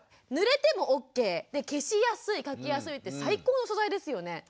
ぬれてもオッケー消しやすい描きやすいって最高の素材ですよね。